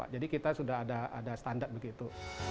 jadi kita sudah ada standar begitu